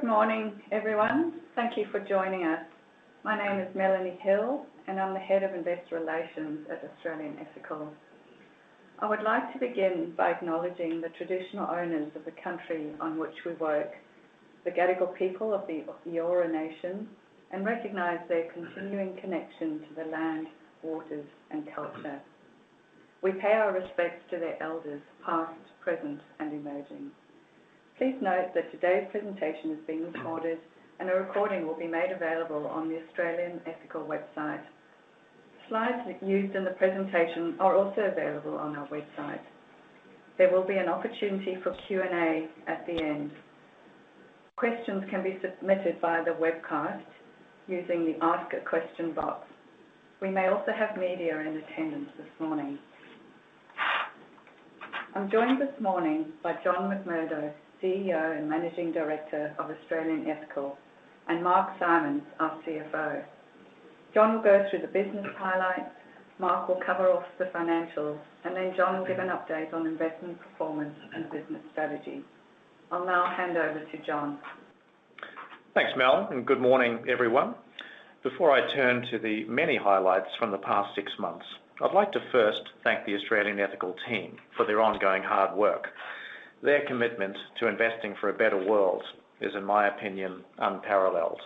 Good morning, everyone. Thank you for joining us. My name is Melanie Hill, and I'm the Head of Investor Relations at Australian Ethical. I would like to begin by acknowledging the traditional owners of the country on which we work, the Gadigal people of the Eora Nation, and recognize their continuing connection to the land, waters, and culture. We pay our respects to their elders, past, present, and emerging. Please note that today's presentation is being recorded, and a recording will be made available on the Australian Ethical website. Slides used in the presentation are also available on our website. There will be an opportunity for Q&A at the end. Questions can be submitted via the webcast using the Ask a Question box. We may also have media in attendance this morning. I'm joined this morning by John McMurdo, CEO and Managing Director of Australian Ethical, and Mark Simons, our CFO. John will go through the business highlights, Mark will cover off the financials, and then John will give an update on investment performance and business strategy. I'll now hand over to John. Thanks, Mel, and good morning, everyone. Before I turn to the many highlights from the past six months, I'd like to first thank the Australian Ethical team for their ongoing hard work. Their commitment to investing for a better world is, in my opinion, unparalleled.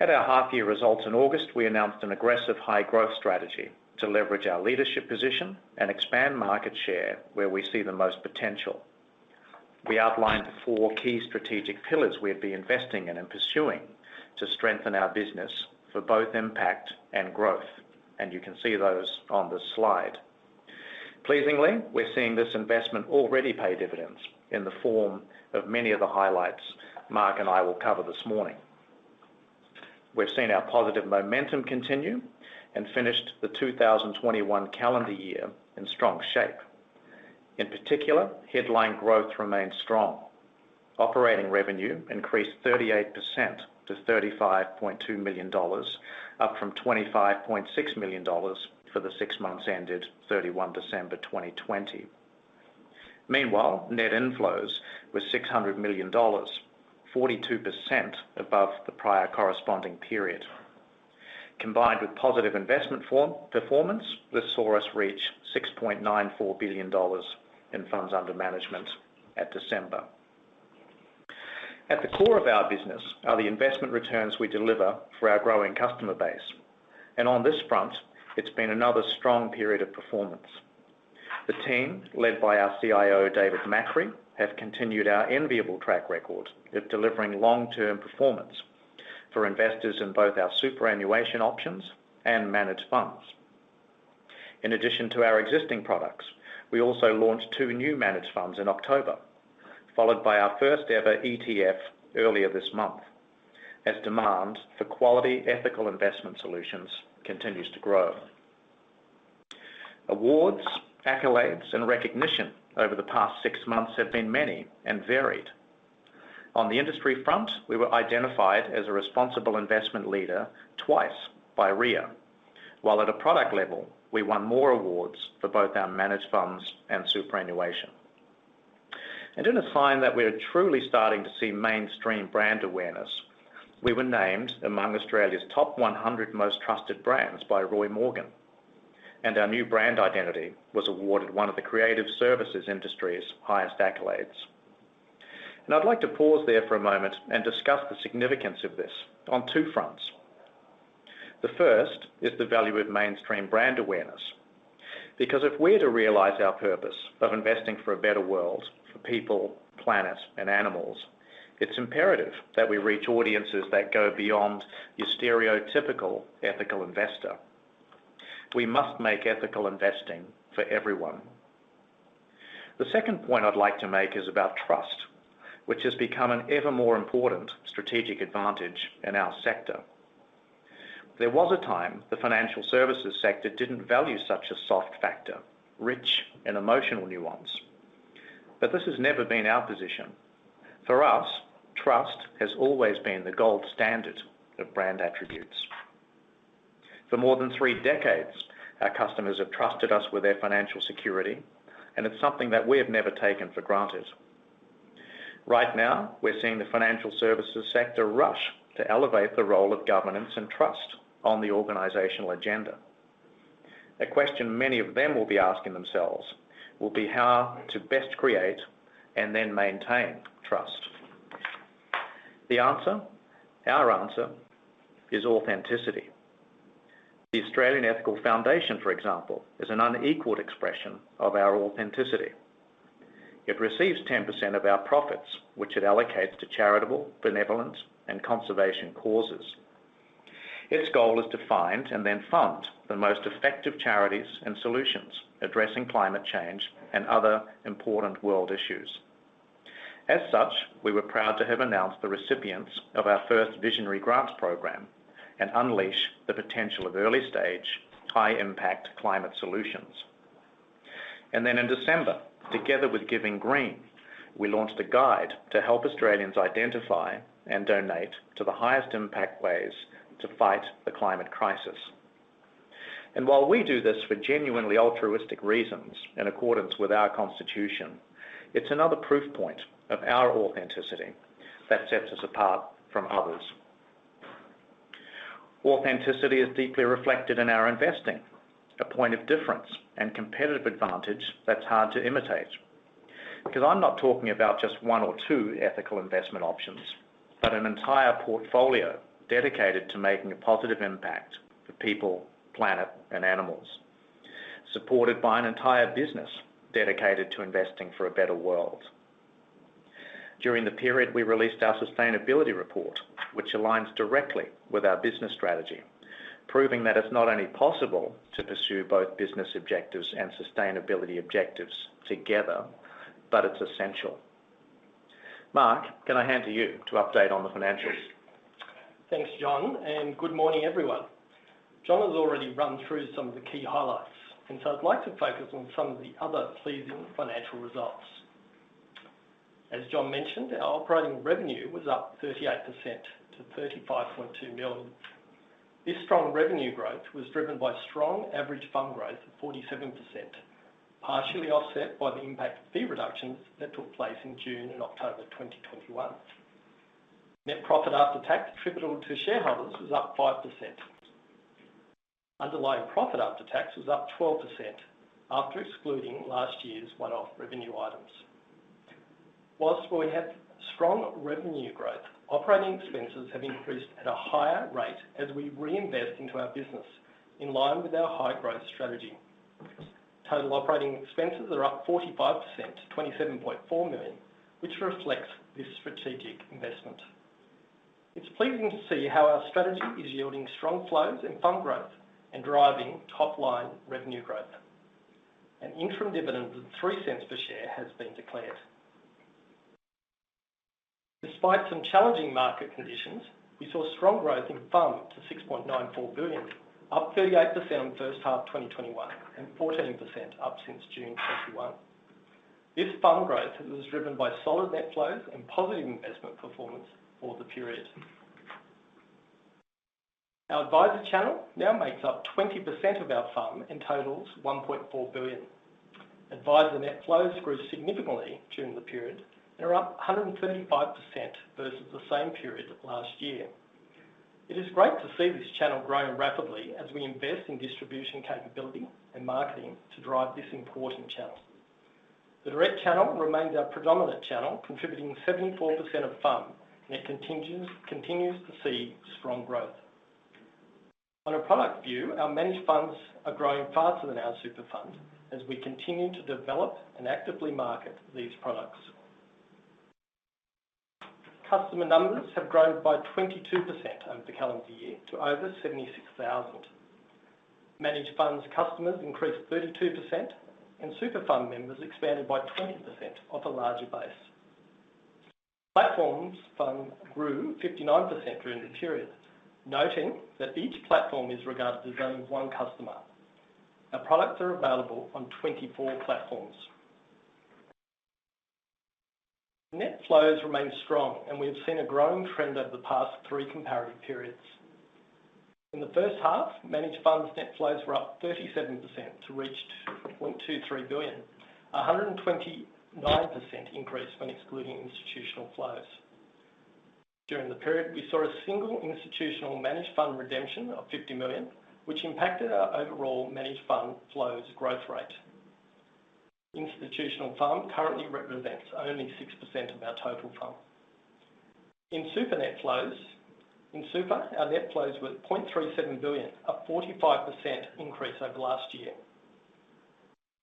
At our half-year results in August, we announced an aggressive high-growth strategy to leverage our leadership position and expand market share where we see the most potential. We outlined four key strategic pillars we'd be investing in and pursuing to strengthen our business for both impact and growth. You can see those on the slide. Pleasingly, we're seeing this investment already pay dividends in the form of many of the highlights Mark and I will cover this morning. We've seen our positive momentum continue and finished the 2021 calendar year in strong shape. In particular, headline growth remained strong. Operating revenue increased 38% to 35.2 million dollars, up from 25.6 million dollars for the six months ended December 31, 2020. Meanwhile, net inflows were 600 million dollars, 42% above the prior corresponding period. Combined with positive investment performance, this saw us reach 6.94 billion dollars in funds under management at December. At the core of our business are the investment returns we deliver for our growing customer base, and on this front, it's been another strong period of performance. The team, led by our CIO, David Macri, have continued our enviable track record of delivering long-term performance for investors in both our superannuation options and managed funds. In addition to our existing products, we also launched two new managed funds in October, followed by our first ever ETF earlier this month, as demand for quality ethical investment solutions continues to grow. Awards, accolades, and recognition over the past six months have been many and varied. On the industry front, we were identified as a responsible investment leader twice by RIAA, while at a product level, we won more awards for both our managed funds and superannuation. In a sign that we are truly starting to see mainstream brand awareness, we were named among Australia's top 100 most trusted brands by Roy Morgan, and our new brand identity was awarded one of the creative services industry's highest accolades. Now, I'd like to pause there for a moment and discuss the significance of this on two fronts. The first is the value of mainstream brand awareness. Because if we're to realize our purpose of investing for a better world for people, planet, and animals, it's imperative that we reach audiences that go beyond your stereotypical ethical investor. We must make ethical investing for everyone. The second point I'd like to make is about trust, which has become an ever more important strategic advantage in our sector. There was a time the financial services sector didn't value such a soft factor, rich in emotional nuance, but this has never been our position. For us, trust has always been the gold standard of brand attributes. For more than three decades, our customers have trusted us with their financial security, and it's something that we have never taken for granted. Right now, we're seeing the financial services sector rush to elevate the role of governance and trust on the organizational agenda. A question many of them will be asking themselves will be how to best create and then maintain trust. The answer, our answer, is authenticity. The Australian Ethical Foundation, for example, is an unequaled expression of our authenticity. It receives 10% of our profits, which it allocates to charitable, benevolence, and conservation causes. Its goal is to find and then fund the most effective charities and solutions addressing climate change and other important world issues. As such, we were proud to have announced the recipients of our first Visionary Grants Program and unleash the potential of early-stage, high-impact climate solutions. Then in December, together with Giving Green, we launched a guide to help Australians identify and donate to the highest impact ways to fight the climate crisis. While we do this for genuinely altruistic reasons, in accordance with our constitution, it's another proof point of our authenticity that sets us apart from others. Authenticity is deeply reflected in our investing, a point of difference and competitive advantage that's hard to imitate. Because I'm not talking about just one or two ethical investment options, but an entire portfolio dedicated to making a positive impact for people, planet, and animals, supported by an entire business dedicated to investing for a better world. During the period, we released our sustainability report, which aligns directly with our business strategy, proving that it's not only possible to pursue both business objectives and sustainability objectives together, but it's essential. Mark, can I hand to you to update on the financials? Thanks, John, and good morning, everyone. John has already run through some of the key highlights, and so I'd like to focus on some of the other pleasing financial results. As John mentioned, our operating revenue was up 38% to 35.2 million. This strong revenue growth was driven by strong average fund growth of 47%, partially offset by the impact fee reductions that took place in June and October 2021. Net profit after tax attributable to shareholders was up 5%. Underlying profit after tax was up 12% after excluding last year's one-off revenue items. While we have strong revenue growth, operating expenses have increased at a higher rate as we reinvest into our business in line with our high-growth strategy. Total operating expenses are up 45% to 27.4 million, which reflects this strategic investment. It's pleasing to see how our strategy is yielding strong flows and fund growth and driving top-line revenue growth. An interim dividend of 0.03 per share has been declared. Despite some challenging market conditions, we saw strong growth in FUM to 6.94 billion, up 38% on first half 2021, and 14% up since June 2021. This FUM growth was driven by solid net flows and positive investment performance for the period. Our advisor channel now makes up 20% of our FUM and totals 1.4 billion. Advisor net flows grew significantly during the period. They're up 135% versus the same period last year. It is great to see this channel growing rapidly as we invest in distribution capability and marketing to drive this important channel. The direct channel remains our predominant channel, contributing 74% of FUM, and it continues to see strong growth. On a product view, our managed funds are growing faster than our super fund as we continue to develop and actively market these products. Customer numbers have grown by 22% over the calendar year to over 76,000. Managed funds customers increased 32%, and super fund members expanded by 20% off a larger base. Platforms FUM grew 59% during the period, noting that each platform is regarded as only one customer. Our products are available on 24 platforms. Net flows remained strong, and we have seen a growing trend over the past three comparative periods. In the first half, managed funds net flows were up 37% to reach 2.23 billion, a 129% increase when excluding institutional flows. During the period, we saw a single institutional managed fund redemption of 50 million, which impacted our overall managed fund flows growth rate. Institutional FUM currently represents only 6% of our total FUM. In super, our net flows were 0.37 billion, a 45% increase over last year.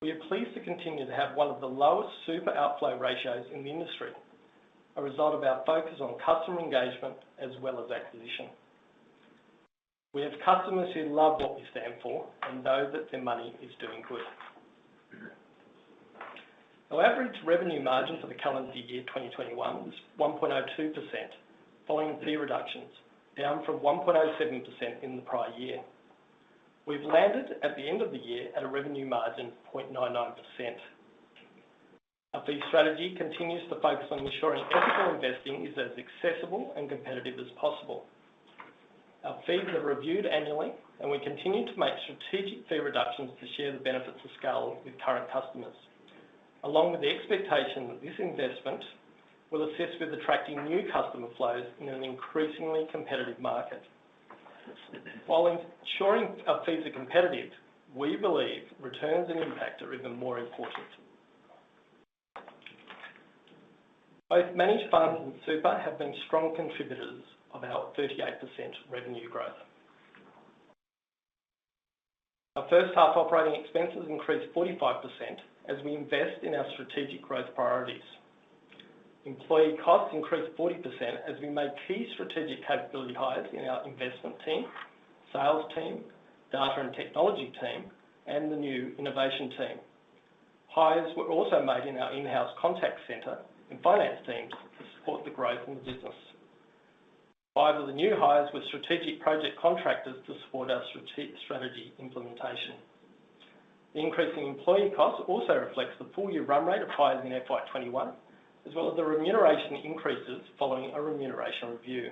We are pleased to continue to have one of the lowest super outflow ratios in the industry, a result of our focus on customer engagement as well as acquisition. We have customers who love what we stand for and know that their money is doing good. Our average revenue margin for the calendar year 2021 was 1.02% following fee reductions, down from 1.07% in the prior year. We've landed at the end of the year at a revenue margin of 0.99%. Our fee strategy continues to focus on ensuring ethical investing is as accessible and competitive as possible. Our fees are reviewed annually, and we continue to make strategic fee reductions to share the benefits of scale with current customers, along with the expectation that this investment will assist with attracting new customer flows in an increasingly competitive market. While ensuring our fees are competitive, we believe returns and impact are even more important. Both managed funds and super have been strong contributors of our 38% revenue growth. Our first half operating expenses increased 45% as we invest in our strategic growth priorities. Employee costs increased 40% as we made key strategic capability hires in our investment team, sales team, data and technology team, and the new innovation team. Hires were also made in our in-house contact center and finance teams to support the growth in the business. Five of the new hires were strategic project contractors to support our strategy implementation. The increase in employee costs also reflects the full year run rate of hires in FY 2021, as well as the remuneration increases following a remuneration review.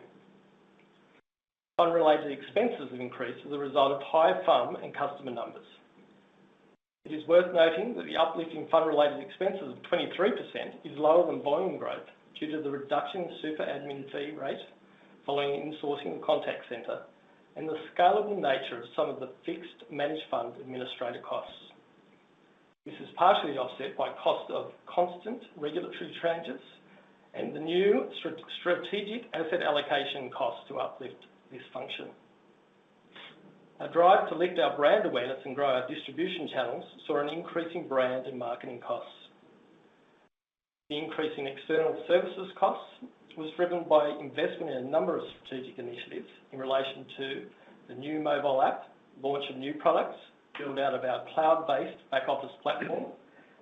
Fund-related expenses have increased as a result of higher fund and customer numbers. It is worth noting that the uplift in fund-related expenses of 23% is lower than volume growth due to the reduction in super admin fee rate following insourcing the contact center and the scalable nature of some of the fixed managed fund administrator costs. This is partially offset by cost of constant regulatory changes and the new strategic asset allocation cost to uplift this function. Our drive to lift our brand awareness and grow our distribution channels saw an increase in brand and marketing costs. The increase in external services costs was driven by investment in a number of strategic initiatives in relation to the new mobile app, launch of new products, build out of our cloud-based back office platform,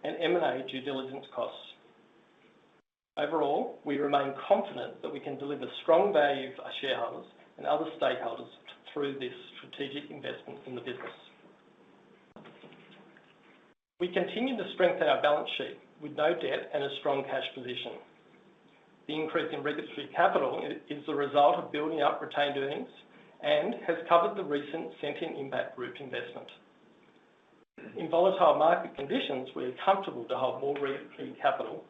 and M&A due diligence costs. Overall, we remain confident that we can deliver strong value for our shareholders and other stakeholders through this strategic investment in the business. We continue to strengthen our balance sheet with no debt and a strong cash position. The increase in regulatory capital is the result of building up retained earnings and has covered the recent Sentient Impact Group investment. In volatile market conditions, we are comfortable to hold more regulatory capital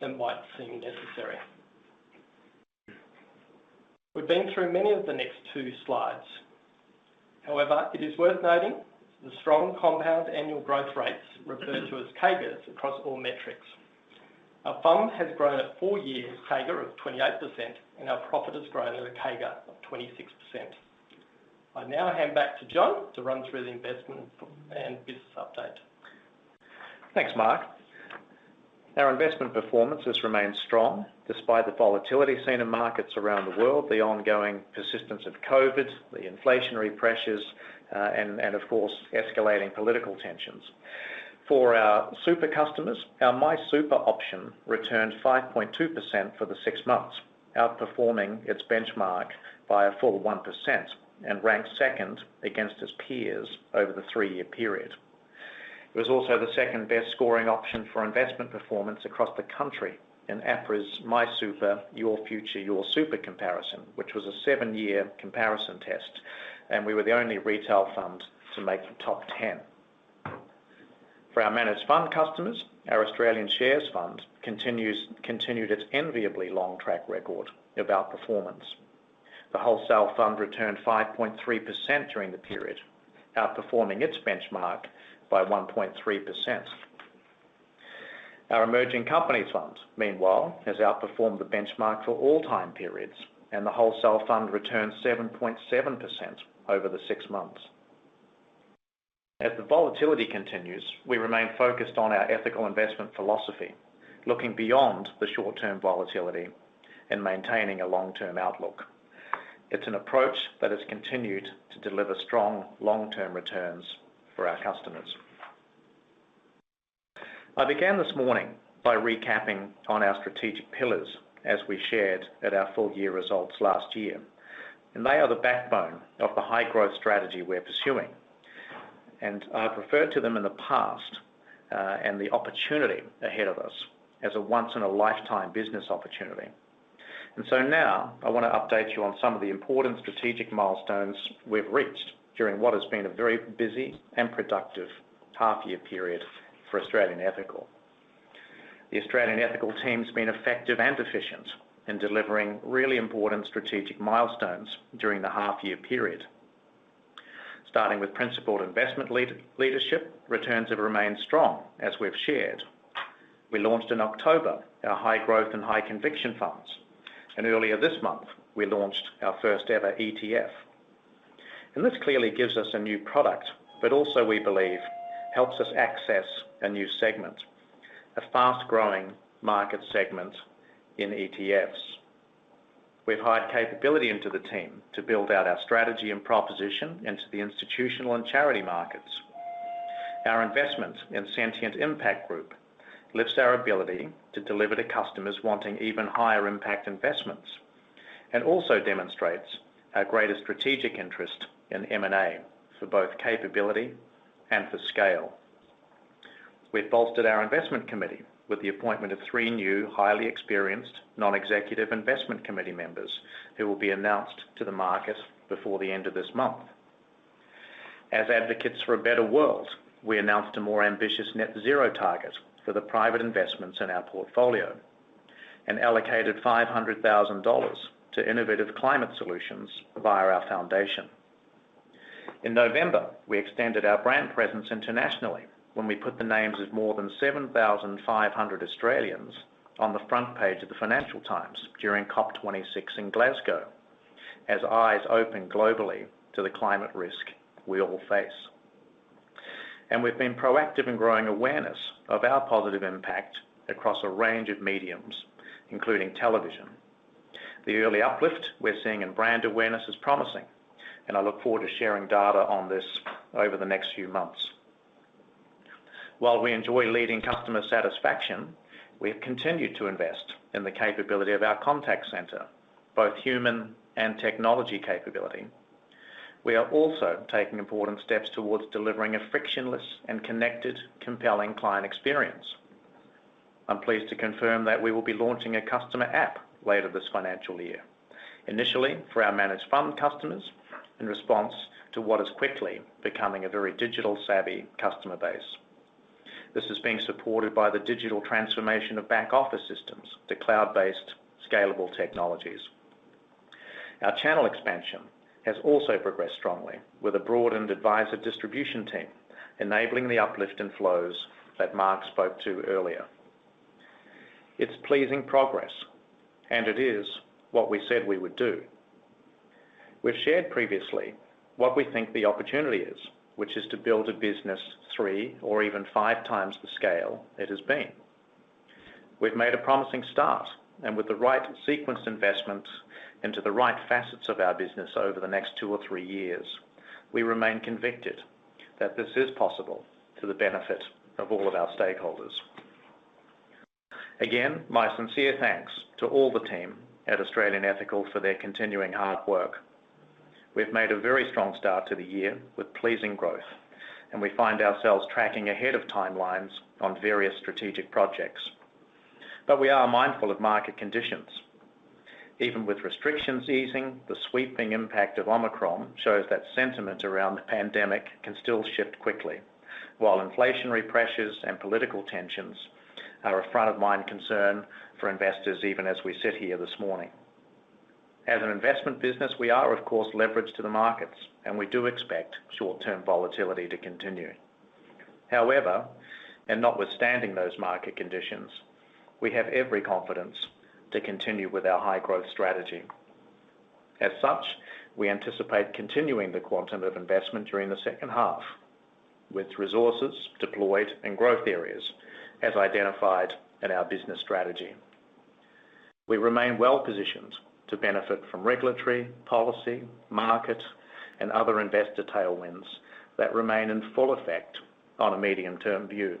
than might seem necessary. We've been through many of the next two slides. However, it is worth noting the strong compound annual growth rates referred to as CAGRs across all metrics. Our fund has grown at four-year CAGR of 28%, and our profit has grown at a CAGR of 26%. I now hand back to John to run through the investment and business update. Thanks, Mark. Our investment performance has remained strong despite the volatility seen in markets around the world, the ongoing persistence of COVID, the inflationary pressures, and of course, escalating political tensions. For our super customers, our MySuper option returned 5.2% for the six months, outperforming its benchmark by a full 1% and ranked second against its peers over the three-year period. It was also the second-best scoring option for investment performance across the country in APRA's MySuper, Your Future, Your Super comparison, which was a seven-year comparison test, and we were the only retail fund to make the top 10. For our managed fund customers, our Australian Shares Fund continued its enviably long track record of outperformance. The wholesale fund returned 5.3% during the period, outperforming its benchmark by 1.3%. Our Emerging Companies Fund, meanwhile, has outperformed the benchmark for all time periods, and the wholesale fund returned 7.7% over the six months. As the volatility continues, we remain focused on our ethical investment philosophy, looking beyond the short-term volatility and maintaining a long-term outlook. It's an approach that has continued to deliver strong long-term returns for our customers. I began this morning by recapping on our strategic pillars as we shared at our full year results last year, and they are the backbone of the high-growth strategy we're pursuing. I referred to them in the past, and the opportunity ahead of us as a once-in-a-lifetime business opportunity. Now, I wanna update you on some of the important strategic milestones we've reached during what has been a very busy and productive half year period for Australian Ethical. The Australian Ethical team's been effective and efficient in delivering really important strategic milestones during the half year period. Starting with principled investment leadership, returns have remained strong, as we've shared. We launched in October our High Growth and High Conviction funds, and earlier this month, we launched our first ever ETF. This clearly gives us a new product, but also we believe helps us access a new segment, a fast-growing market segment in ETFs. We've hired capability into the team to build out our strategy and proposition into the institutional and charity markets. Our investment in Sentient Impact Group lifts our ability to deliver to customers wanting even higher impact investments and also demonstrates our greater strategic interest in M&A for both capability and for scale. We've bolstered our investment committee with the appointment of three new highly experienced non-executive investment committee members who will be announced to the market before the end of this month. As advocates for a better world, we announced a more ambitious net zero target for the private investments in our portfolio and allocated 500,000 dollars to innovative climate solutions via our foundation. In November, we extended our brand presence internationally when we put the names of more than 7,500 Australians on the front page of the Financial Times during COP26 in Glasgow as eyes open globally to the climate risk we all face. We've been proactive in growing awareness of our positive impact across a range of mediums, including television. The early uplift we're seeing in brand awareness is promising, and I look forward to sharing data on this over the next few months. While we enjoy leading customer satisfaction, we have continued to invest in the capability of our contact center, both human and technology capability. We are also taking important steps towards delivering a frictionless and connected, compelling client experience. I'm pleased to confirm that we will be launching a customer app later this financial year, initially for our managed fund customers, in response to what is quickly becoming a very digital savvy customer base. This is being supported by the digital transformation of back-office systems to cloud-based scalable technologies. Our channel expansion has also progressed strongly with a broadened advisor distribution team, enabling the uplift in flows that Mark spoke to earlier. It's pleasing progress, and it is what we said we would do. We've shared previously what we think the opportunity is, which is to build a business 3x or even 5x the scale it has been. We've made a promising start, and with the right sequenced investments into the right facets of our business over the next two or three years, we remain convicted that this is possible to the benefit of all of our stakeholders. Again, my sincere thanks to all the team at Australian Ethical for their continuing hard work. We've made a very strong start to the year with pleasing growth, and we find ourselves tracking ahead of timelines on various strategic projects. We are mindful of market conditions. Even with restrictions easing, the sweeping impact of Omicron shows that sentiment around the pandemic can still shift quickly. While inflationary pressures and political tensions are a front-of-mind concern for investors, even as we sit here this morning. As an investment business, we are of course leveraged to the markets, and we do expect short-term volatility to continue. However, and notwithstanding those market conditions, we have every confidence to continue with our high growth strategy. As such, we anticipate continuing the quantum of investment during the second half with resources deployed in growth areas as identified in our business strategy. We remain well positioned to benefit from regulatory, policy, market, and other investor tailwinds that remain in full effect on a medium-term view.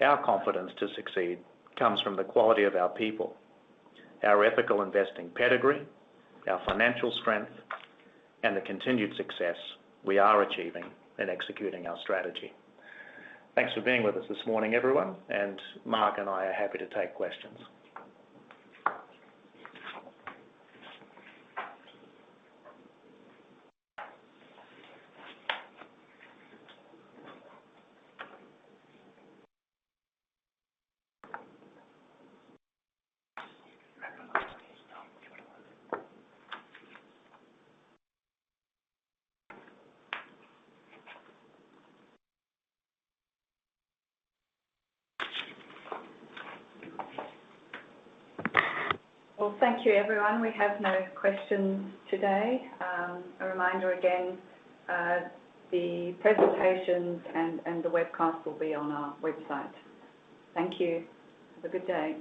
Our confidence to succeed comes from the quality of our people, our ethical investing pedigree, our financial strength, and the continued success we are achieving in executing our strategy. Thanks for being with us this morning, everyone, and Mark and I are happy to take questions. Well, thank you everyone. We have no questions today. A reminder again, the presentations and the webcast will be on our website. Thank you. Have a good day.